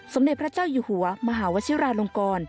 สมเด็จพระเจ้าอยู่หัวมหาวชิราลงกร